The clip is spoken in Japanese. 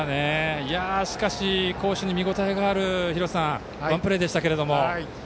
しかし攻守に見応えのあるワンプレーでした。